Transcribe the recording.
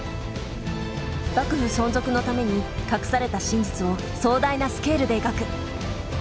幕府存続のために隠された真実を壮大なスケールで描く。